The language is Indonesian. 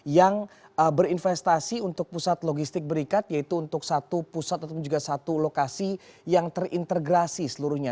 yang berinvestasi untuk pusat logistik berikat yaitu untuk satu pusat ataupun juga satu lokasi yang terintegrasi seluruhnya